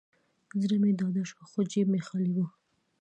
زړه مې ډاډه شو، خو جیب مې خالي و.